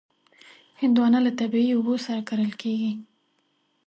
هندوانه له طبعي اوبو سره کرل کېږي.